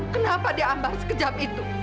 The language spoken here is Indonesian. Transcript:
kenapa dihambar sekejap itu